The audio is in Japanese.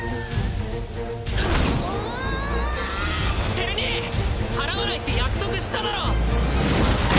輝兄祓わないって約束しただろ！